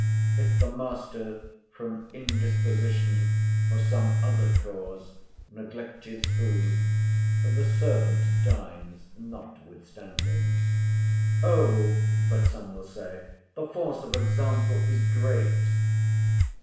If the master, from indisposition or some other cause, neglect his food, the servant dines notwithstanding. "O, but (some will say) the force of example is great."